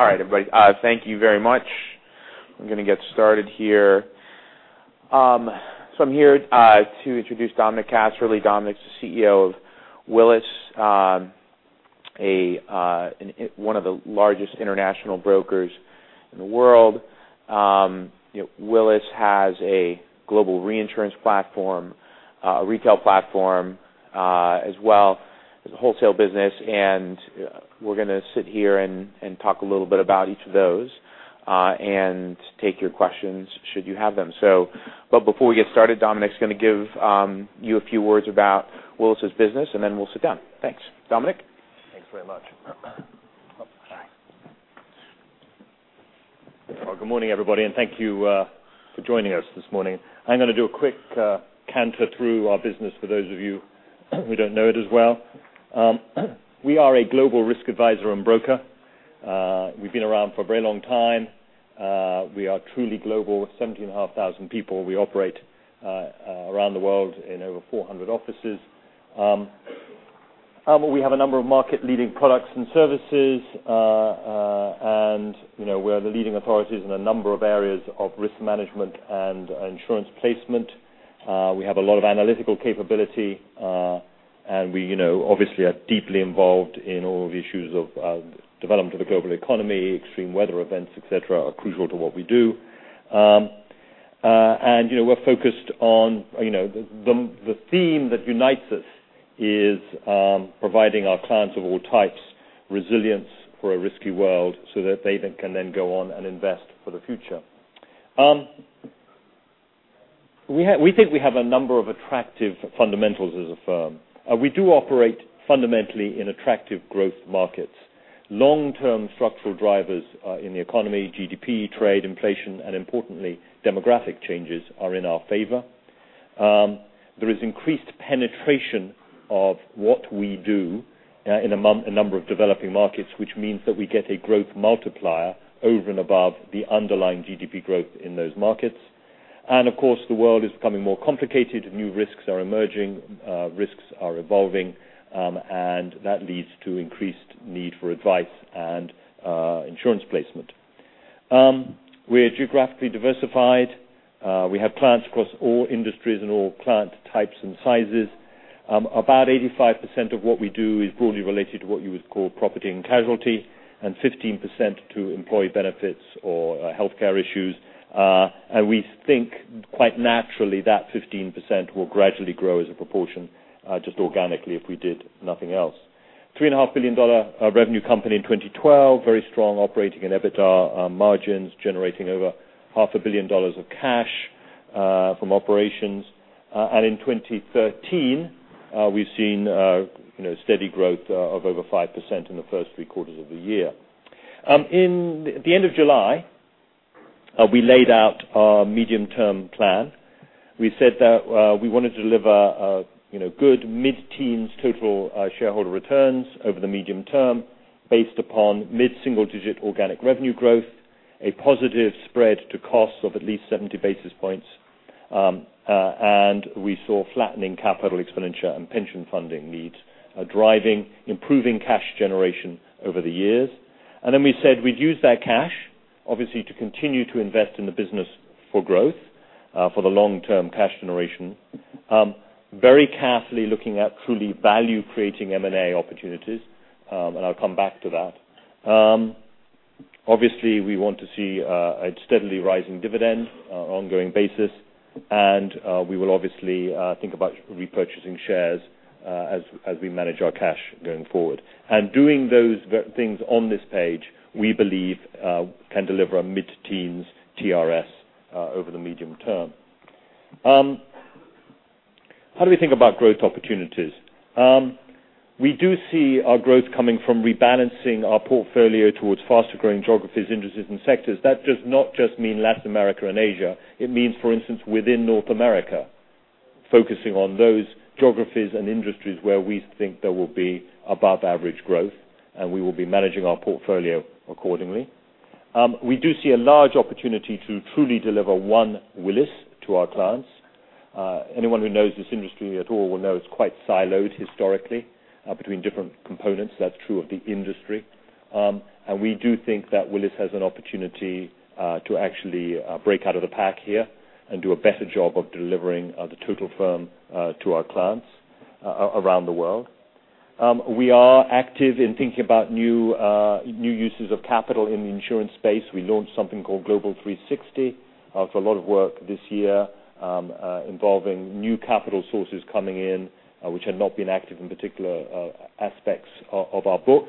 All right, everybody. Thank you very much. I'm going to get started here. I'm here to introduce Dominic Casserley. Dominic's the CEO of Willis, one of the largest international brokers in the world. Willis has a global reinsurance platform, a retail platform as well as a wholesale business, and we're going to sit here and talk a little bit about each of those, and take your questions should you have them. Before we get started, Dominic's going to give you a few words about Willis' business, and then we'll sit down. Thanks. Dominic? Thanks very much. Good morning, everybody, and thank you for joining us this morning. I'm going to do a quick canter through our business for those of you who don't know it as well. We are a global risk advisor and broker. We've been around for a very long time. We are truly global. We're 17,500 people. We operate around the world in over 400 offices. We have a number of market leading products and services, and we're the leading authorities in a number of areas of risk management and insurance placement. We have a lot of analytical capability, and we obviously are deeply involved in all of the issues of development of the global economy, extreme weather events, et cetera, are crucial to what we do. We're focused on the theme that unites us is providing our clients of all types resilience for a risky world so that they then can then go on and invest for the future. We think we have a number of attractive fundamentals as a firm. We do operate fundamentally in attractive growth markets. Long-term structural drivers in the economy, GDP, trade, inflation, and importantly, demographic changes are in our favor. There is increased penetration of what we do in a number of developing markets, which means that we get a growth multiplier over and above the underlying GDP growth in those markets. Of course, the world is becoming more complicated. New risks are emerging, risks are evolving, and that leads to increased need for advice and insurance placement. We are geographically diversified. We have clients across all industries and all client types and sizes. About 85% of what we do is broadly related to what you would call property and casualty, and 15% to employee benefits or healthcare issues. We think quite naturally that 15% will gradually grow as a proportion just organically if we did nothing else. Three and a half billion dollar revenue company in 2012. Very strong operating and EBITDA margins, generating over half a billion dollars of cash from operations. In 2013, we've seen steady growth of over 5% in the first three quarters of the year. In the end of July, we laid out our medium term plan. We said that we wanted to deliver good mid-teens total shareholder returns over the medium term based upon mid-single digit organic revenue growth, a positive spread to costs of at least 70 basis points, and we saw flattening capital expenditure and pension funding needs driving improving cash generation over the years. We said we'd use that cash, obviously, to continue to invest in the business for growth for the long-term cash generation. Very carefully looking at truly value creating M&A opportunities, and I'll come back to that. Obviously, we want to see a steadily rising dividend on an ongoing basis, and we will obviously think about repurchasing shares as we manage our cash going forward. Doing those things on this page, we believe can deliver a mid-teens TRS over the medium term. How do we think about growth opportunities? We do see our growth coming from rebalancing our portfolio towards faster growing geographies, industries, and sectors. That does not just mean Latin America and Asia. It means, for instance, within North America. Focusing on those geographies and industries where we think there will be above average growth, and we will be managing our portfolio accordingly. We do see a large opportunity to truly deliver one Willis to our clients. Anyone who knows this industry at all will know it's quite siloed historically between different components. That's true of the industry. We do think that Willis has an opportunity to actually break out of the pack here and do a better job of delivering the total firm to our clients around the world. We are active in thinking about new uses of capital in the insurance space. We launched something called Global 360. It's a lot of work this year involving new capital sources coming in which had not been active in particular aspects of our book.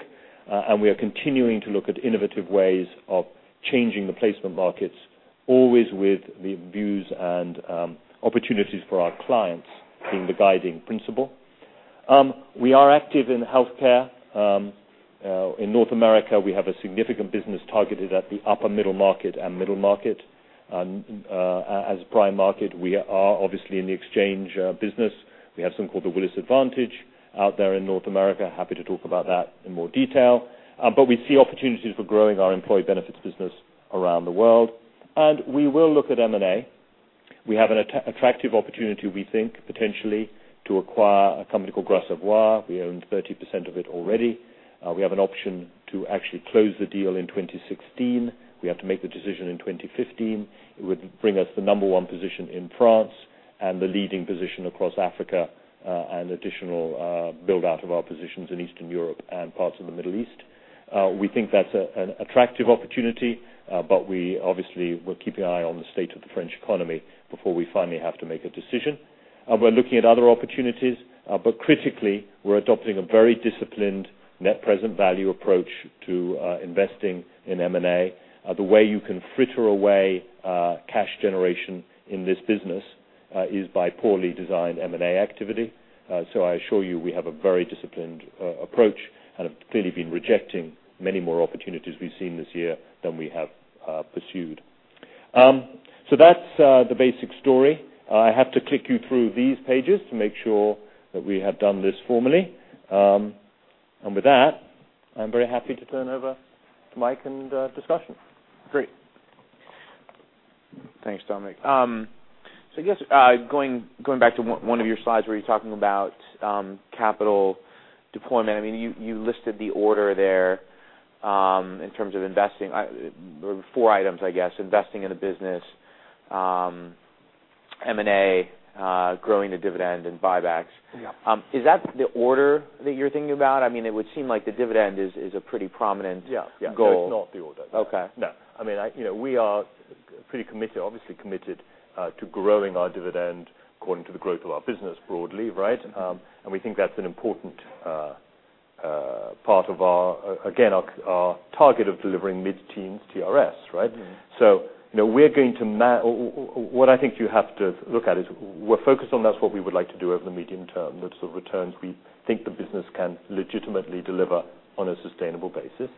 We are continuing to look at innovative ways of changing the placement markets, always with the views and opportunities for our clients being the guiding principle. We are active in healthcare. In North America, we have a significant business targeted at the upper middle market and middle market. As a prime market, we are obviously in the exchange business. We have something called the Willis Advantage out there in North America. Happy to talk about that in more detail. We see opportunities for growing our employee benefits business around the world. We will look at M&A. We have an attractive opportunity, we think, potentially to acquire a company called Gras Savoye. We own 30% of it already. We have an option to actually close the deal in 2016. We have to make the decision in 2015. It would bring us the number one position in France and the leading position across Africa, and additional build-out of our positions in Eastern Europe and parts of the Middle East. We think that's an attractive opportunity, but we obviously will keep an eye on the state of the French economy before we finally have to make a decision. We're looking at other opportunities, but critically, we're adopting a very disciplined net present value approach to investing in M&A. The way you can fritter away cash generation in this business is by poorly designed M&A activity. I assure you, we have a very disciplined approach and have clearly been rejecting many more opportunities we've seen this year than we have pursued. That's the basic story. I have to click you through these pages to make sure that we have done this formally. With that, I'm very happy to turn over to Mike and discussion. Great. Thanks, Dominic. I guess, going back to one of your slides where you're talking about capital deployment, you listed the order there in terms of investing. There were four items, I guess. Investing in a business, M&A, growing the dividend, and buybacks. Yeah. Is that the order that you're thinking about? It would seem like the dividend is a pretty prominent goal. Yeah. No, it's not the order. Okay. No. We are pretty committed, obviously committed, to growing our dividend according to the growth of our business broadly, right? We think that's an important part of, again, our target of delivering mid-teens TRS, right? What I think you have to look at is we're focused on that's what we would like to do over the medium term. That's the returns we think the business can legitimately deliver on a sustainable basis.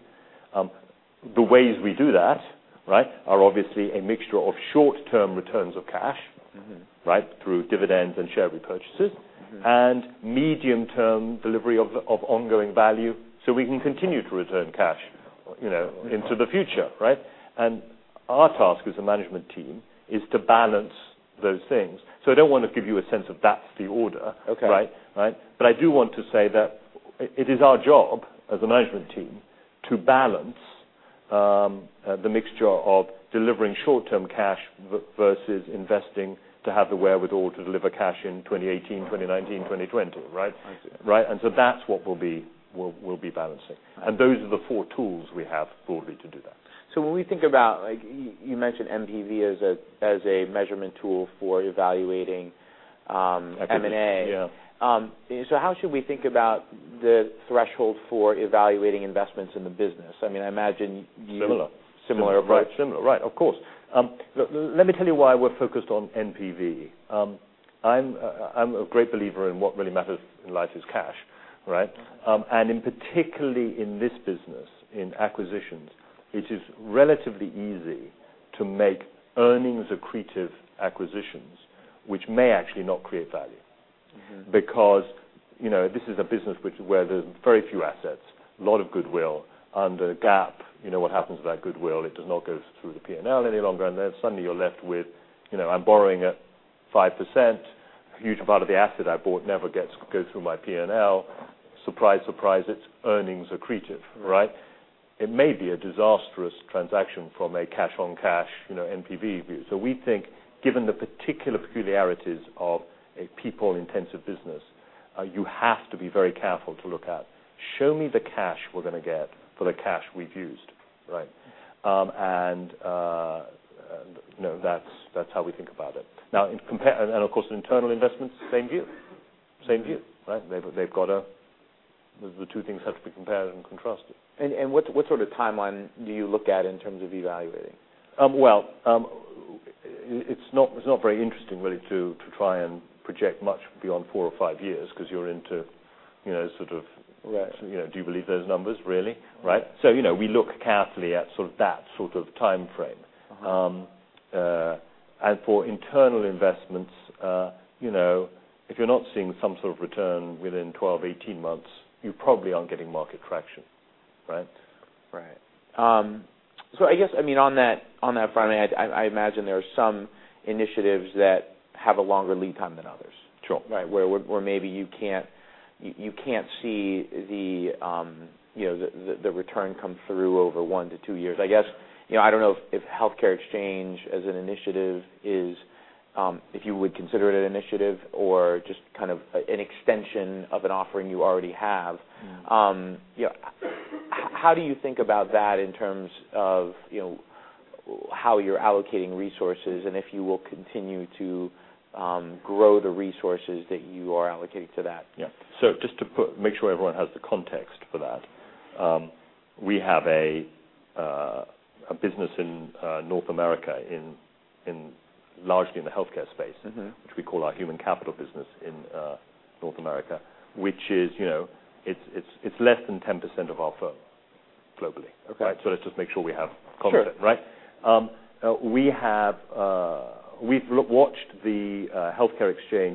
The ways we do that are obviously a mixture of short-term returns of cash. Right? Through dividends and share repurchases. Medium-term delivery of ongoing value so we can continue to return cash into the future, right? Our task as a management team is to balance those things. I don't want to give you a sense of that's the order. Okay. I do want to say that it is our job as a management team to balance the mixture of delivering short-term cash versus investing to have the wherewithal to deliver cash in 2018, 2019, 2020, right? I see. Right? That's what we'll be balancing, and those are the four tools we have broadly to do that. When we think about, you mentioned NPV as a measurement tool for evaluating M&A. Acquisition, yeah. How should we think about the threshold for evaluating investments in the business? I imagine you. Similar. Similar approach. Similar. Right. Of course. Let me tell you why we're focused on NPV. I'm a great believer in what really matters in life is cash. Right? In particularly in this business, in acquisitions, it is relatively easy to make earnings-accretive acquisitions, which may actually not create value. Because this is a business where there's very few assets, a lot of goodwill. Under GAAP, you know what happens to that goodwill. It does not go through the P&L any longer. Suddenly you're left with, I'm borrowing at 5%, a huge part of the asset I bought never goes through my P&L. Surprise, surprise, it's earnings accretive, right? It may be a disastrous transaction from a cash-on-cash NPV view. We think, given the particular peculiarities of a people-intensive business, you have to be very careful to look at, show me the cash we're going to get for the cash we've used. Right? That's how we think about it. Of course, internal investments, same view. Same view, right? The two things have to be compared and contrasted. What sort of timeline do you look at in terms of evaluating? Well, it's not very interesting, really, to try and project much beyond four or five years because you're into sort of- Right do you believe those numbers, really? Right? We look carefully at that sort of timeframe. For internal investments, if you're not seeing some sort of return within 12, 18 months, you probably aren't getting market traction. Right? Right. I guess, on that front, I imagine there are some initiatives that have a longer lead time than others. Sure. Right. Where maybe you can't see the return come through over one to two years, I guess. I don't know if healthcare exchange as an initiative is, if you would consider it an initiative or just kind of an extension of an offering you already have. How do you think about that in terms of how you're allocating resources and if you will continue to grow the resources that you are allocating to that? Yeah. Just to make sure everyone has the context for that, we have a business in North America, largely in the healthcare space. Which we call our human capital business in North America. Which is less than 10% of our firm globally. Okay. Right? Let's just make sure we have context. Sure. Right? We've watched the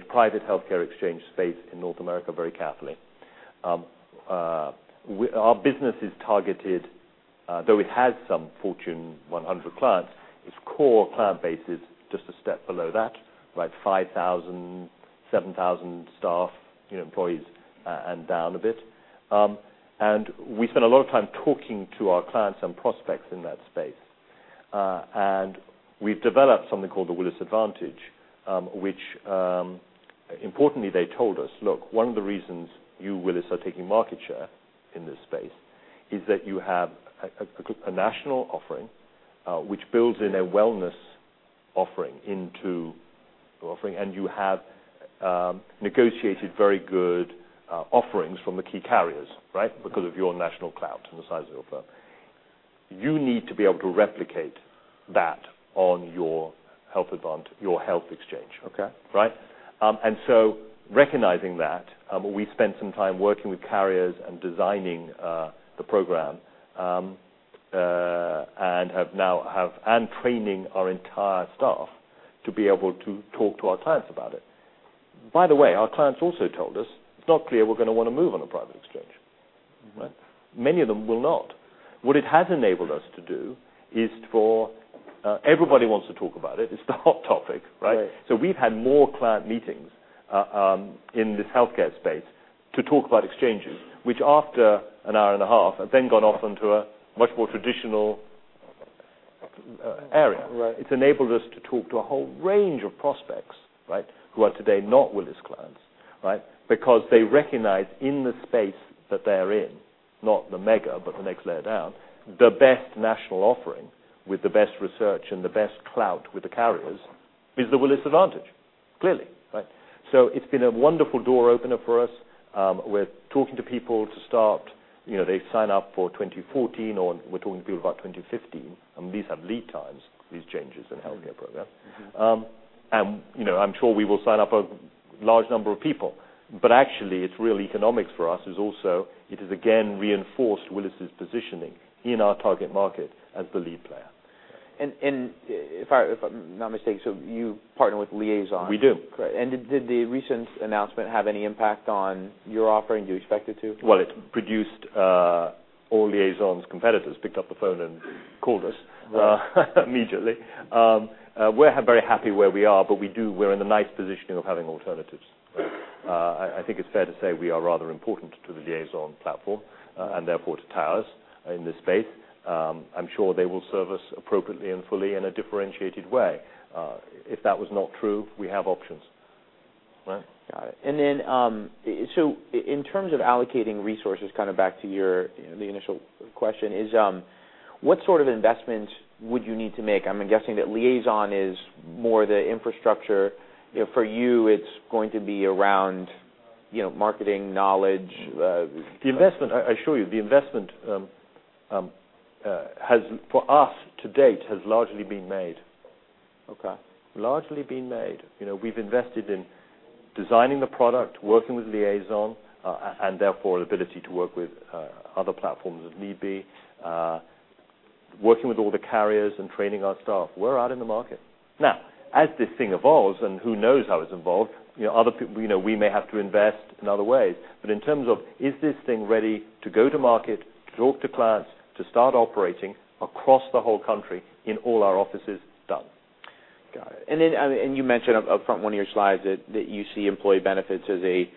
private healthcare exchange space in North America very carefully. Our business is targeted Though it has some Fortune 100 clients, its core client base is just a step below that, 5,000, 7,000 staff, employees, and down a bit. We spend a lot of time talking to our clients and prospects in that space. We've developed something called the Willis Advantage, which importantly, they told us, "Look, one of the reasons you, Willis, are taking market share in this space is that you have a national offering which builds in a wellness offering into your offering, and you have negotiated very good offerings from the key carriers because of your national clout and the size of your firm. You need to be able to replicate that on your health exchange. Okay. recognizing that, we spent some time working with carriers and designing the program and training our entire staff to be able to talk to our clients about it. By the way, our clients also told us, it's not clear we're going to want to move on a private exchange. Many of them will not. What it has enabled us to do is for everybody who wants to talk about it's the hot topic. Right. we've had more client meetings in this healthcare space to talk about exchanges, which after an hour and a half have then gone off into a much more traditional area. Right. It's enabled us to talk to a whole range of prospects who are today not Willis clients. They recognize in the space that they're in, not the mega, but the next layer down, the best national offering with the best research and the best clout with the carriers is the Willis Advantage. Clearly. it's been a wonderful door opener for us. We're talking to people to start. They sign up for 2014, or we're talking to people about 2015, and these have lead times, these changes in healthcare programs. I'm sure we will sign up a large number of people. Actually, it's real economics for us is also it has again reinforced Willis's positioning in our target market as the lead player. If I'm not mistaken, you partner with Liazon. We do. Great. Did the recent announcement have any impact on your offering? Do you expect it to? Well, it's produced all Liazon's competitors picked up the phone and called us immediately. We're very happy where we are, but we're in a nice position of having alternatives. I think it's fair to say we are rather important to the Liazon platform, and therefore to Towers in this space. I'm sure they will serve us appropriately and fully in a differentiated way. If that was not true, we have options. In terms of allocating resources, back to the initial question is, what sort of investments would you need to make? I'm guessing that Liazon is more the infrastructure. For you, it's going to be around marketing knowledge. I assure you, the investment for us to date has largely been made. Okay. Largely been made. We've invested in designing the product, working with Liazon, and therefore ability to work with other platforms if need be, working with all the carriers and training our staff. We're out in the market. Now, as this thing evolves and who knows how it's evolved, we may have to invest in other ways. In terms of, is this thing ready to go to market, to talk to clients, to start operating across the whole country in all our offices? Done. You mentioned upfront one of your slides that you see employee benefits as a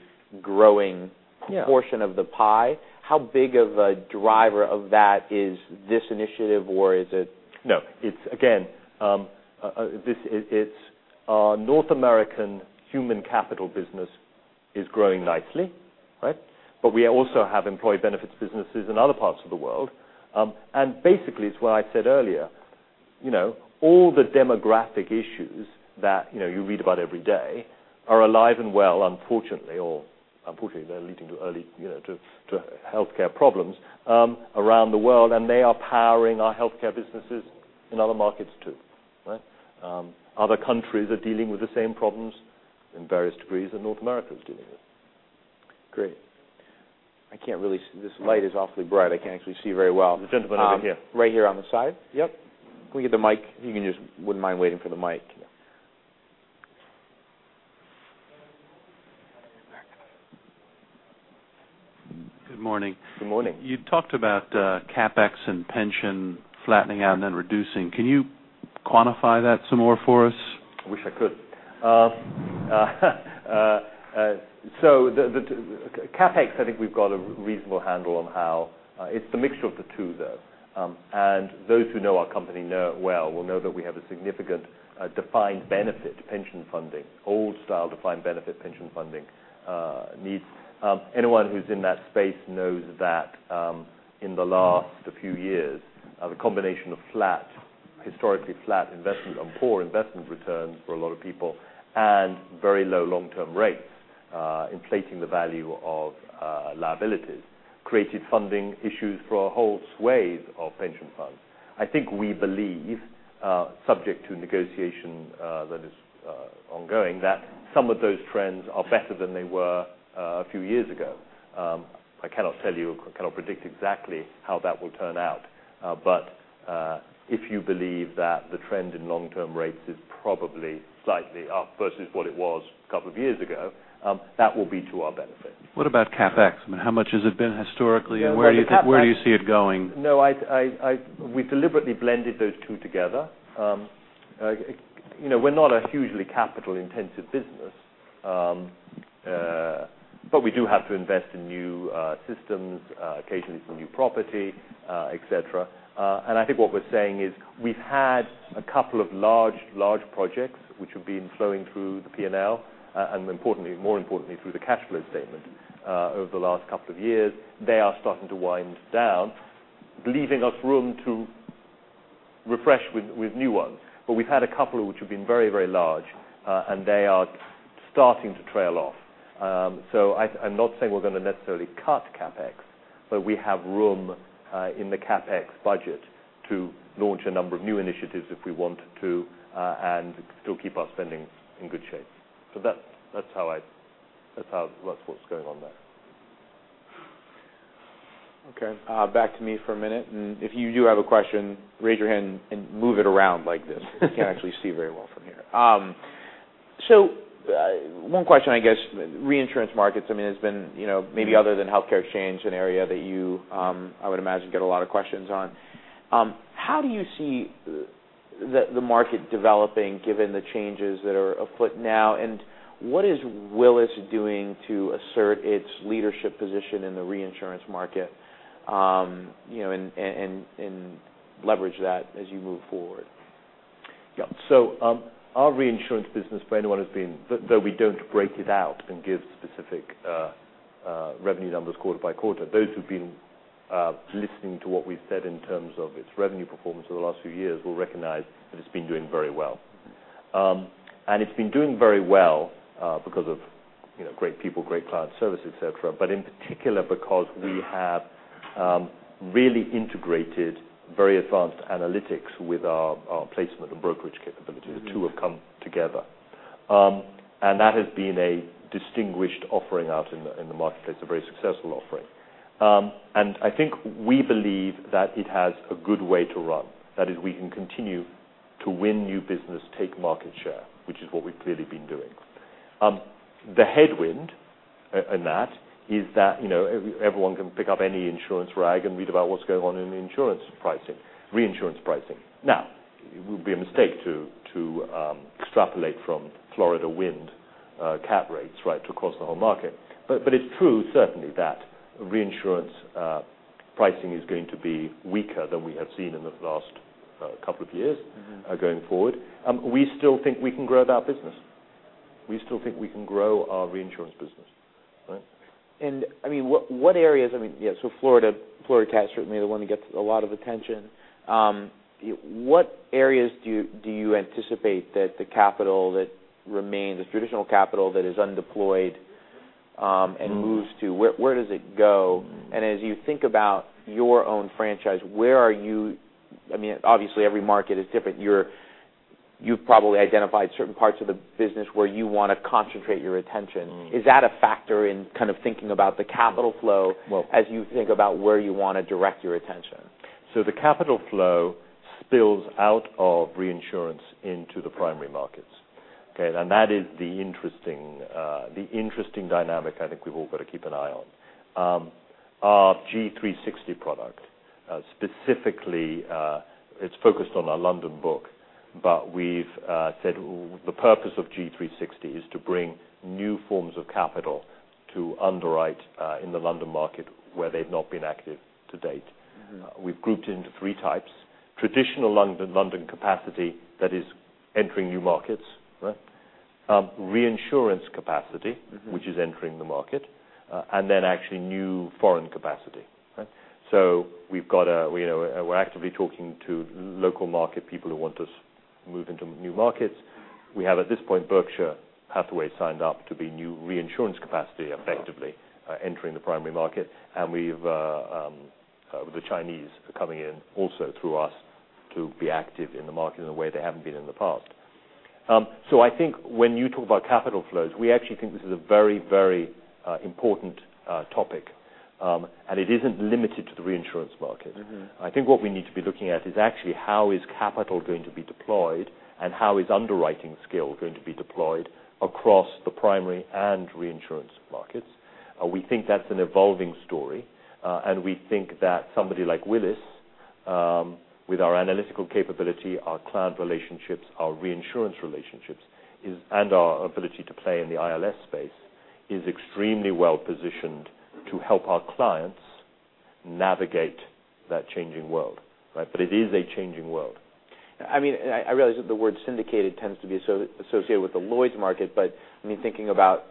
growing. Yeah portion of the pie. How big of a driver of that is this initiative or is it- No. Our North American human capital business is growing nicely. We also have employee benefits businesses in other parts of the world. Basically, it's what I said earlier. All the demographic issues that you read about every day are alive and well, unfortunately. Unfortunately, they're leading to healthcare problems around the world, and they are powering our healthcare businesses in other markets too. Other countries are dealing with the same problems in various degrees, and North America is dealing with. Great. I can't really see. This light is awfully bright. I can't actually see very well. The gentleman over here. Right here on the side? Yep. Can we get the mic? If you wouldn't mind waiting for the mic. Good morning. Good morning. You talked about CapEx and pension flattening out and then reducing. Can you quantify that some more for us? I wish I could. The CapEx, I think we've got a reasonable handle on how. It's the mixture of the two, though. Those who know our company know it well will know that we have a significant defined benefit pension funding, old style defined benefit pension funding needs. Anyone who's in that space knows that in the last few years, the combination of historically flat investment and poor investment returns for a lot of people and very low long-term rates inflating the value of liabilities created funding issues for a whole swathe of pension funds. I think we believe, subject to negotiation that is ongoing, that some of those trends are better than they were a few years ago. I cannot tell you, I cannot predict exactly how that will turn out. If you believe that the trend in long-term rates is probably slightly up versus what it was a couple of years ago, that will be to our benefit. What about CapEx? How much has it been historically and where do you see it going? No, we deliberately blended those two together. We're not a hugely capital-intensive business, but we do have to invest in new systems, occasionally some new property, et cetera. I think what we're saying is we've had a couple of large projects which have been flowing through the P&L, and more importantly, through the cash flow statement, over the last couple of years. They are starting to wind down, leaving us room to refresh with new ones. We've had a couple which have been very large, and they are starting to trail off. I'm not saying we're going to necessarily cut CapEx, but we have room in the CapEx budget to launch a number of new initiatives if we wanted to and still keep our spending in good shape. That's what's going on there. Okay. Back to me for a minute. If you do have a question, raise your hand and move it around like this. I can't actually see very well from here. One question, I guess, reinsurance markets, has been maybe other thanhealthcare exchange, an area that you, I would imagine, get a lot of questions on. How do you see the market developing given the changes that are afoot now, and what is Willis doing to assert its leadership position in the reinsurance market and leverage that as you move forward? Yeah. Our reinsurance business for anyone has been, though we don't break it out and give specific revenue numbers quarter by quarter, those who've been listening to what we've said in terms of its revenue performance over the last few years will recognize that it's been doing very well. It's been doing very well because of great people, great client service, et cetera, but in particular because we have really integrated very advanced analytics with our placement and brokerage capability. The two have come together. That has been a distinguished offering out in the marketplace, a very successful offering. I think we believe that it has a good way to run. That is, we can continue to win new business, take market share, which is what we've clearly been doing. The headwind in that is that everyone can pick up any insurance rag and read about what's going on in insurance pricing, reinsurance pricing. Now, it would be a mistake to extrapolate from Florida wind cat rates, right, across the whole market. It's true certainly that reinsurance pricing is going to be weaker than we have seen in the last couple of years going forward. We still think we can grow that business. We still think we can grow our reinsurance business. Right? What areas, Florida certainly the one that gets a lot of attention. What areas do you anticipate that the traditional capital that is undeployed and moves to, where does it go? As you think about your own franchise, obviously every market is different. You've probably identified certain parts of the business where you want to concentrate your attention. Is that a factor in kind of thinking about the capital flow as you think about where you want to direct your attention? The capital flow spills out of reinsurance into the primary markets. Okay, that is the interesting dynamic I think we've all got to keep an eye on. Our G360 product, specifically it's focused on our London book, but we've said the purpose of G360 is to bring new forms of capital to underwrite in the London market where they've not been active to date. We've grouped into 3 types. Traditional London capacity that is entering new markets. Right? Reinsurance capacity which is entering the market, actually new foreign capacity. Right? We're actively talking to local market people who want to move into new markets. We have, at this point, Berkshire Hathaway signed up to be new reinsurance capacity effectively entering the primary market. We have the Chinese coming in also through us to be active in the market in a way they haven't been in the past. I think when you talk about capital flows, we actually think this is a very important topic. It isn't limited to the reinsurance market. I think what we need to be looking at is actually how is capital going to be deployed and how is underwriting skill going to be deployed across the primary and reinsurance markets. We think that's an evolving story. We think that somebody like Willis with our analytical capability, our client relationships, our reinsurance relationships, and our ability to play in the ILS space is extremely well-positioned to help our clients navigate that changing world. Right? It is a changing world. I realize that the word syndicated tends to be associated with the Lloyd's market, thinking about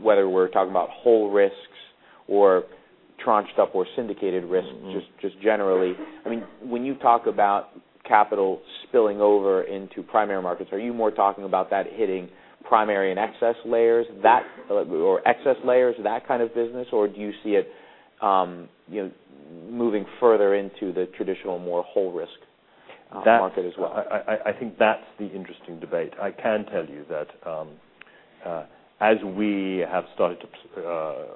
whether we're talking about whole risks or tranched up or syndicated risks just generally. When you talk about capital spilling over into primary markets, are you more talking about that hitting primary and excess layers or excess layers of that kind of business, or do you see it moving further into the traditional, more whole risk? That's it as well. I think that's the interesting debate. I can tell you that as we have started to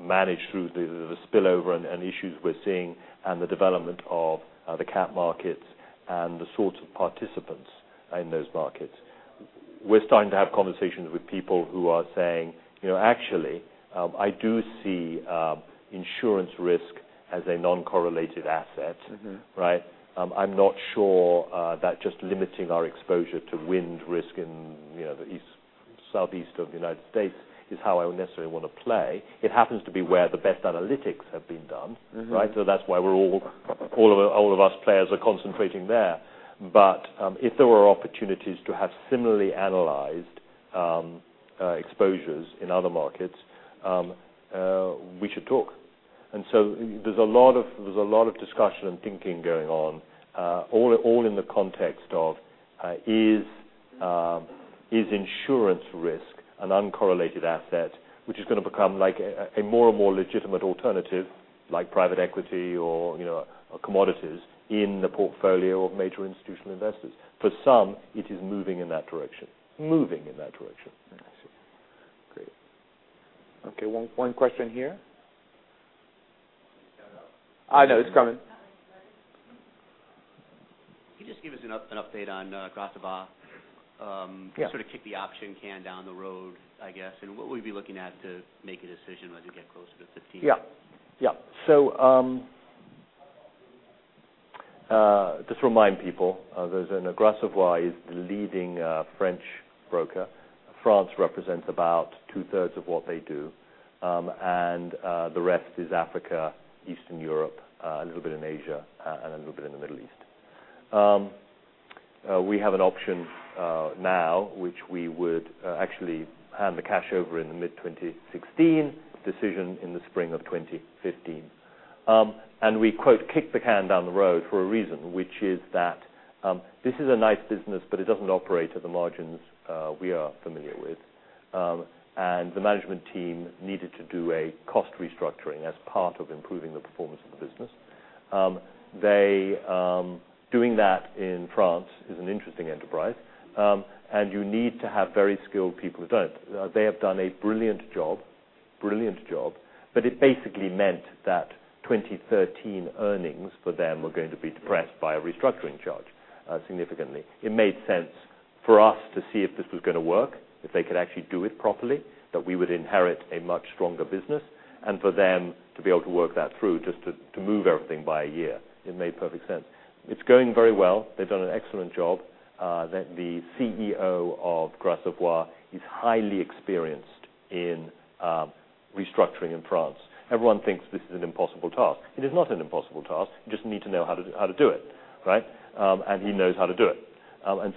manage through the spillover and issues we're seeing and the development of the cat markets and the sorts of participants in those markets. We're starting to have conversations with people who are saying, "Actually, I do see insurance risk as a non-correlated asset. Right? I'm not sure that just limiting our exposure to wind risk in the southeast of the U.S. is how I would necessarily want to play. It happens to be where the best analytics have been done, right? That's why all of us players are concentrating there. If there were opportunities to have similarly analyzed exposures in other markets, we should talk. There's a lot of discussion and thinking going on all in the context of is insurance risk an uncorrelated asset, which is going to become a more and more legitimate alternative, like private equity or commodities in the portfolio of major institutional investors. For some, it is moving in that direction. I see. Great. Okay. One question here. Stand up. I know, it's coming. Can you just give us an update on Gras Savoye? Yeah. Sort of kick the option can down the road, I guess. What would we be looking at to make a decision as we get closer to 2015? Yeah. Just remind people, Gras Savoye is the leading French broker. France represents about two-thirds of what they do, and the rest is Africa, Eastern Europe, a little bit in Asia, and a little bit in the Middle East. We have an option now, which we would actually hand the cash over in the mid-2016 decision in the spring of 2015. We quote, "Kick the can down the road for a reason," which is that this is a nice business, but it doesn't operate at the margins we are familiar with. The management team needed to do a cost restructuring as part of improving the performance of the business. Doing that in France is an interesting enterprise. You need to have very skilled people who do it. They have done a brilliant job, but it basically meant that 2013 earnings for them were going to be depressed by a restructuring charge significantly. It made sense for us to see if this was going to work, if they could actually do it properly, that we would inherit a much stronger business, and for them to be able to work that through just to move everything by a year. It made perfect sense. It's going very well. They've done an excellent job. The CEO of Gras Savoye is highly experienced in restructuring in France. Everyone thinks this is an impossible task. It is not an impossible task. You just need to know how to do it, right? He knows how to do it.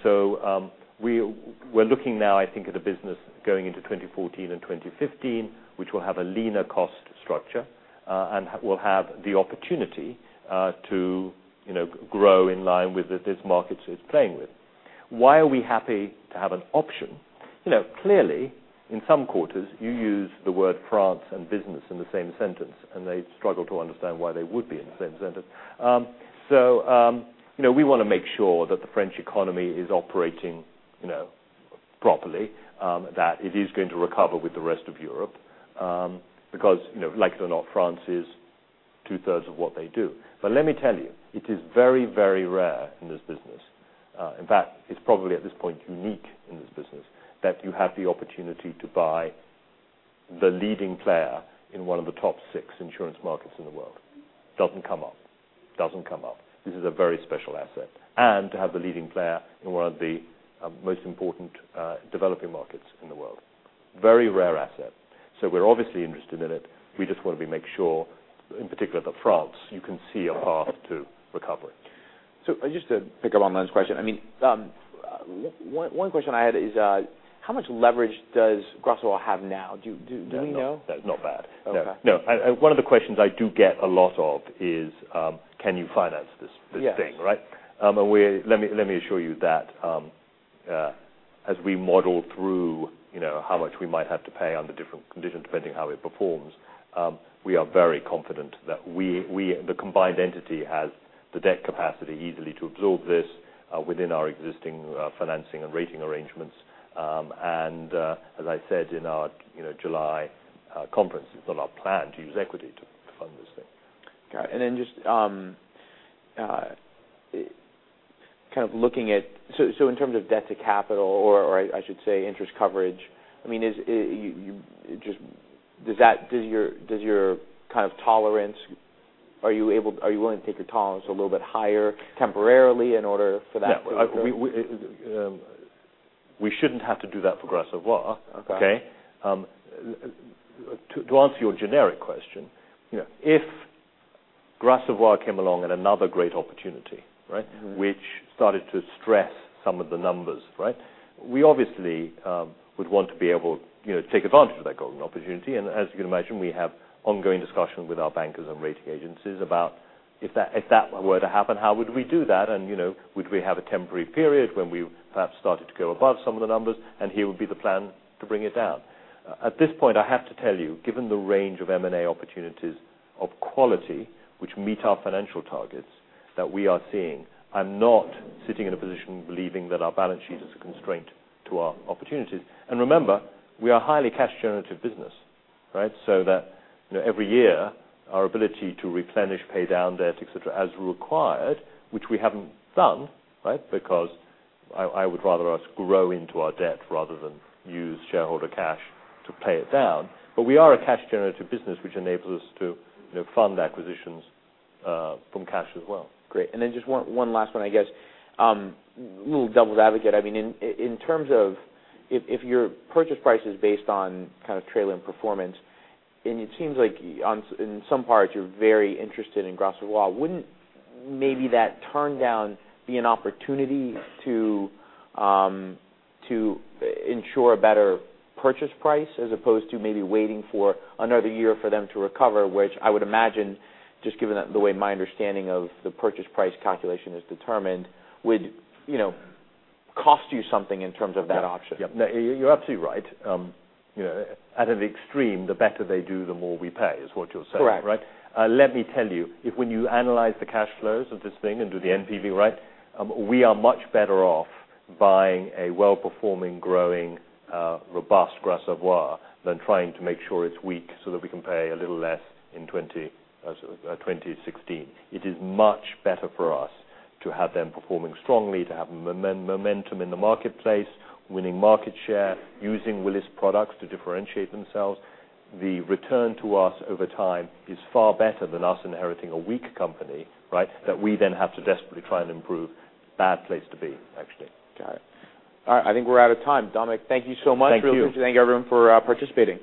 We're looking now, I think, at a business going into 2014 and 2015, which will have a leaner cost structure, and we'll have the opportunity to grow in line with these markets it's playing with. Why are we happy to have an option? Clearly, in some quarters, you use the word France and business in the same sentence, and they struggle to understand why they would be in the same sentence. We want to make sure that the French economy is operating properly, that it is going to recover with the rest of Europe because like it or not, France is two-thirds of what they do. Let me tell you, it is very, very rare in this business. In fact, it's probably at this point unique in this business that you have the opportunity to buy the leading player in one of the top six insurance markets in the world. Doesn't come up. This is a very special asset. To have the leading player in one of the most important developing markets in the world. Very rare asset. We're obviously interested in it. We just want to make sure, in particular that France, you can see a path to recovery. Just to pick up on last question. One question I had is how much leverage does Gras Savoye have now? Do we know? It's not bad. Okay. No. One of the questions I do get a lot of is, can you finance this thing? Yes. Right? Let me assure you that as we model through how much we might have to pay under different conditions depending how it performs, we are very confident that the combined entity has the debt capacity easily to absorb this within our existing financing and rating arrangements. As I said in our July conference, it's not our plan to use equity to fund this thing. Got it. In terms of debt to capital or I should say interest coverage, does your kind of tolerance, are you willing to take your tolerance a little bit higher temporarily in order for that to occur? We shouldn't have to do that for Gras Savoye. Okay. Okay? To answer your generic question, if Gras Savoye came along and another great opportunity which started to stress some of the numbers, we obviously would want to be able to take advantage of that golden opportunity. As you can imagine, we have ongoing discussion with our bankers and rating agencies about if that were to happen, how would we do that, and would we have a temporary period when we perhaps started to go above some of the numbers, and here would be the plan to bring it down. At this point, I have to tell you, given the range of M&A opportunities of quality, which meet our financial targets that we are seeing, I'm not sitting in a position believing that our balance sheet is a constraint to our opportunities. Remember, we are a highly cash-generative business. That every year our ability to replenish, pay down debt, et cetera, as required, which we haven't done, because I would rather us grow into our debt rather than use shareholder cash to pay it down. We are a cash-generative business, which enables us to fund acquisitions from cash as well. Great. Then just one last one, I guess. A little devil's advocate. In terms of if your purchase price is based on trailing performance, and it seems like in some parts you're very interested in Gras Savoye, wouldn't maybe that turndown be an opportunity to ensure a better purchase price as opposed to maybe waiting for another year for them to recover? Which I would imagine, just given the way my understanding of the purchase price calculation is determined, would cost you something in terms of that option. Yeah. You're absolutely right. At an extreme, the better they do, the more we pay, is what you're saying, right? Correct. Let me tell you, when you analyze the cash flows of this thing and do the NPV, we are much better off buying a well-performing, growing, robust Gras Savoye than trying to make sure it's weak so that we can pay a little less in 2016. It is much better for us to have them performing strongly, to have momentum in the marketplace, winning market share, using Willis products to differentiate themselves. The return to us over time is far better than us inheriting a weak company that we then have to desperately try and improve. Bad place to be, actually. Got it. All right, I think we're out of time. Dominic, thank you so much. Thank you. Really appreciate it. Thank you everyone for participating.